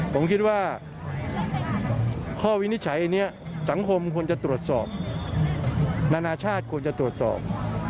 ผมคิดว่าข้อวินิจฉัยอันนี้สังคมควรจะตรวจสอบนานาชาติควรจะตรวจสอบ